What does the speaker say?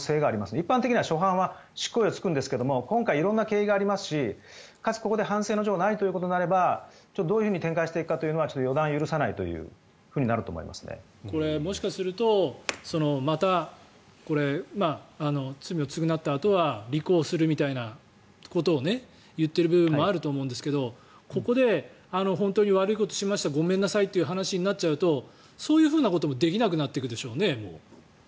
一般的に初犯は執行猶予がつくんですが今回、色々な経緯がありますしかつ、ここで反省の情がないということになればどう展開するかは予断を許さないというふうにもしかするとまた、罪を償ったあとは立候補するみたいなことを言っている部分もあると思うんですがここで、悪いことをしましたごめんなさいとなるとそういうふうなこともできなくなっていくでしょうね。